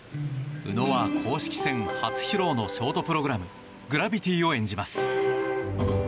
宇野は、公式戦初披露のショートプログラム「Ｇｒａｖｉｔｙ」を演じます。